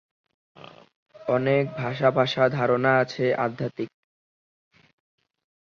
অনেক ভাসা ভাসা ধারণা আছে-আধ্যাত্মিক।